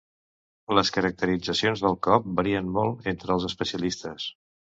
Les caracteritzacions del cop varien molt entre els especialistes.